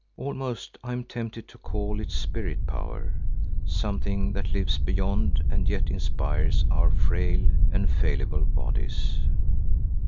Almost am I tempted to call it spirit power, something that lives beyond and yet inspires our frail and fallible bodies.